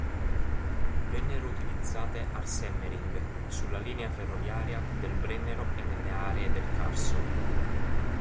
Vennero utilizzate al Semmering, sulla linea ferroviaria del Brennero e nelle aree del Carso.